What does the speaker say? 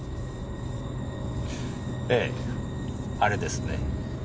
ええあれですね。